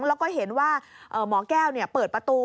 แล้วก็เห็นว่าหมอแก้วเปิดประตู